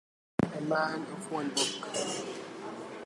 His lectures hinted a greater freedom in theological enquiry.